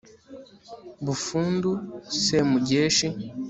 Bufundu Semugeshi